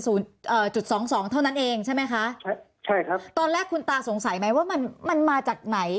เอ่อจุดสองสองเท่านั้นเองใช่ไหมคะใช่ใช่ครับตอนแรกคุณตาสงสัยไหมว่ามันมันมาจากไหน